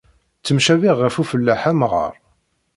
Ttemcabiɣ ɣer ufellaḥ amɣar.